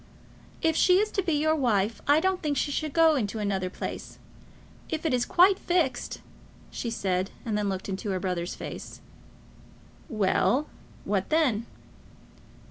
"If she is to be your wife, I don't think she should go into another place. If it is quite fixed, " she said, and then she looked into her brother's face. "Well; what then?"